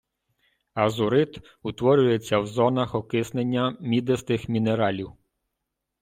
Азурит утворюється в зонах окиснення мідистих мінералів.